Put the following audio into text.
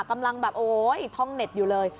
กำลังแบบโอ๊ยท่องเน็ตอยู่เลย